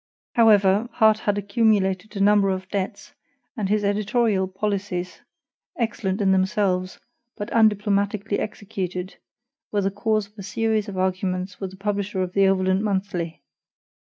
However, Harte had accumulated a number of debts, and his editorial policies, excellent in themselves, but undiplomatically executed, were the cause of a series of arguments with the publisher of the OVERLAND MONTHLY.